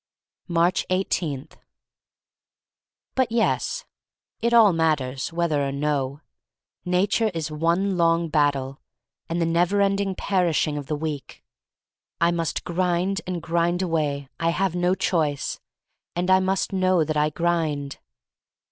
• Aatcb 18. BUT yes. It all matters, whether or no. Nature is one long battle; and the never ending perishing cf the weak. I must grind and grind away, I have no choice. And I must know that I grind.